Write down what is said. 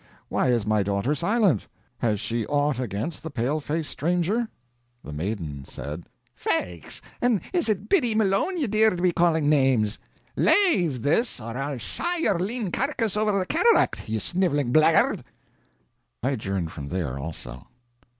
Why is my daughter silent? Has she ought against the paleface stranger?" The maiden said: "Faix, an' is it Biddy Malone ye dare to be callin' names? Lave this, or I'll shy your lean carcass over the cataract, ye sniveling blaggard!" I adjourned from there also.